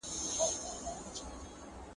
بارونه ئې تړل، اوښانو ژړل.